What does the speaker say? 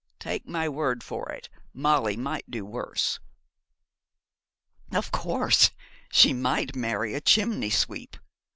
Take my word for it, Molly might do worse.' 'Of course. She might marry a chimney sweep.